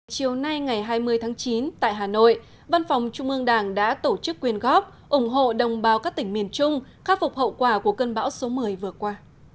chiều nay ngày hai mươi tháng chín tại hà nội văn phòng trung ương đảng đã tổ chức quyền góp ủng hộ đồng bào các tỉnh miền trung khắc phục hậu quả của cơn bão số một mươi vừa qua